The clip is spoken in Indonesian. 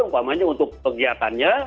upamanya untuk kegiatannya